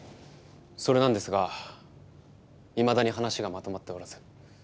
それなんですがいまだに話がまとまっておらず。